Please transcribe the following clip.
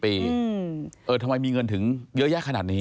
ทำไมมีเงินถึงเยอะแยะขนาดนี้